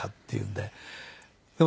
でも